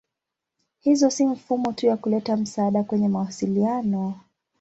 Hizo si mifumo tu ya kuleta msaada kwenye mawasiliano.